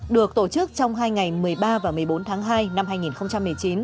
được tổ chức trong hai ngày một mươi ba và một mươi bốn tháng hai năm hai nghìn một mươi chín